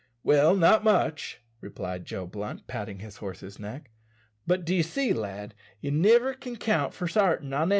"Well, not much," replied Joe Blunt, patting his horse's neck, "but d'ye see, lad, ye niver can count for sartin on anythin'.